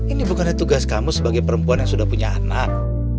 ini bukannya tugas kamu sebagai perempuan yang sudah punya anak